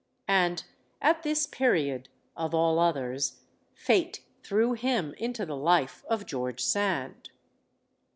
And at this period, of all others, fate threw him into the life of George Sand.